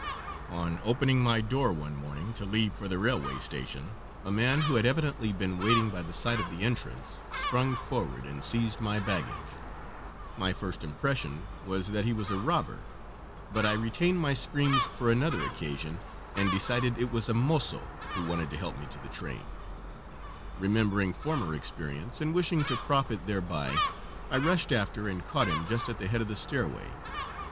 On opening my door one morning to leave for the railway station a man, who had evidently been waiting by the side of the entrance, sprung forward and seized my baggage. My first impression was that he was a robber; but I retained my screams for another occasion and decided it was a mozo who wanted to help me to the train. Remembering former experience, and wishing to profit thereby, I rushed after and caught him just at the head of the stairway.